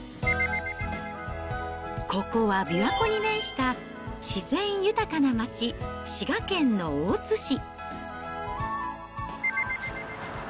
ここは琵琶湖に面した自然豊かな町、滋賀県の大津市。